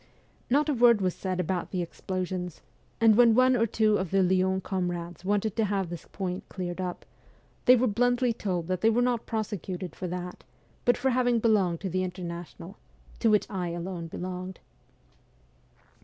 Not a word was said about the explosions ; and when one or two of the Lyons comrades wanted to have this point cleared up, they were bluntly told that they were not prosecuted for that, but for having belonged to the International to which I alone belonged.